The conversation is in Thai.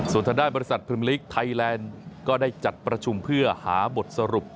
ส่วนทางด้านบริษัทพิมพลิกไทยแลนด์ก็ได้จัดประชุมเพื่อหาบทสรุป